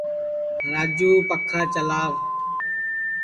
راجُو پکھا چلاوَ